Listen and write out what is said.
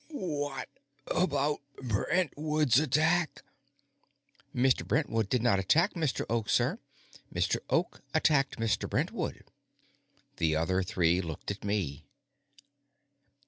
"What about Brentwood's attack?" "Mr. Brentwood did not attack Mr. Oak, sir; Mr. Oak attacked Mr. Brentwood." The other three looked at me.